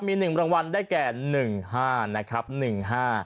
มี๑รางวัลได้แก่๑๕ครั้ง